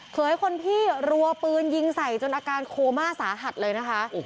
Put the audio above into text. เขยคนพี่รัวปืนยิงใส่จนอาการโคม่าสาหัสเลยนะคะ